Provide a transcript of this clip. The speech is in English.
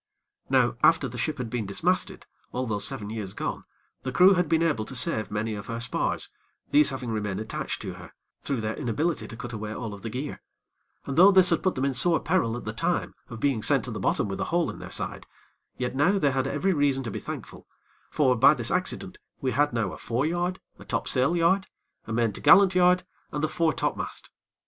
Now, after the ship had been dismasted, all those seven years gone, the crew had been able to save many of her spars, these having remained attached to her, through their inability to cut away all of the gear; and though this had put them in sore peril at the time, of being sent to the bottom with a hole in their side, yet now had they every reason to be thankful; for, by this accident, we had now a foreyard, a topsail yard, a main t'gallant yard, and the fore topmast.